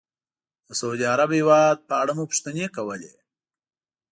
د سعودي عرب هېواد په اړه مو پوښتنې کولې.